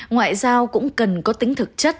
ngoại giao cũng cần có tính thực chất